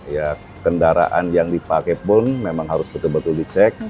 ya kendaraan yang dipakai pun memang harus betul betul dicek